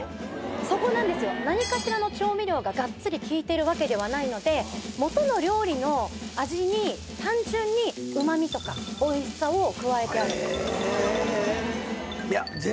そこなんですよ何かしらの調味料がガッツリきいてるわけではないので元の料理の味に単純に旨味とかおいしさを加えてあるええうまい！